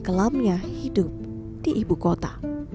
kelamnya hidup di ibu kota